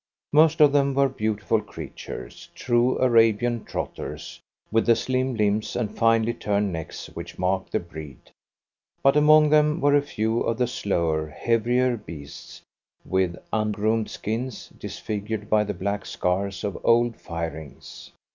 Most of them were beautiful creatures, true Arabian trotters, with the slim limbs and finely turned necks which mark the breed; but among them were a few of the slower, heavier beasts, with ungroomed skins, disfigured by the black scars of old firings.